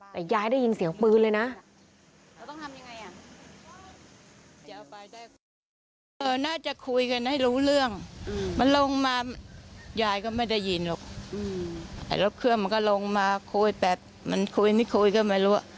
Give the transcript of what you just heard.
แต่ยายได้ยินเสียงปืนเลยนะ